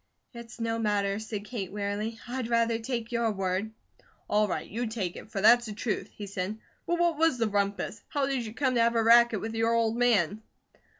"It's no matter," said Kate, wearily. "I'd rather take your word." "All right, you take it, for that's the truth," he said. "But what was the rumpus? How did you come to have a racket with your old man?"